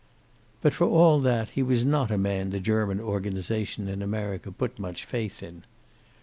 But, for all that, he was not a man the German organization in America put much faith in.